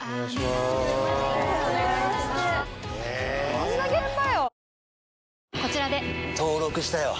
どんな現場よ？